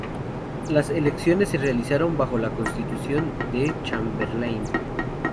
Las elecciones se realizaron bajo la constitución de Chamberlain.